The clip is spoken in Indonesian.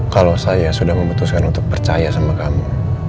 kalau saya sudah memutuskan untuk percaya sama kamu